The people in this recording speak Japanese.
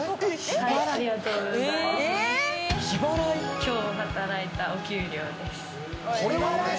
今日働いたお給料です。